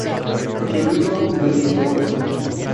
Su libro "Desinformación.